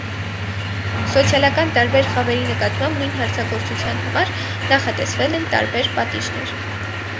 Սոցիալական տարբեր խավերի նկատմամբ նույն հանցագործության համար նախատեսվել են տարբեր պատիժներ։